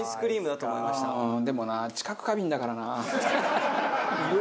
でもな知覚過敏だからな。